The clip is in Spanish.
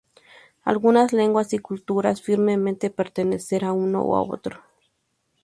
Algunas lenguas y culturas firmemente pertenecer a uno u otro.